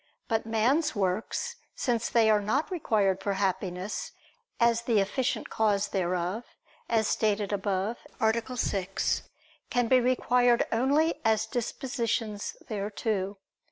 But man's works, since they are not required for Happiness, as the efficient cause thereof, as stated above (A. 6), can be required only as dispositions thereto.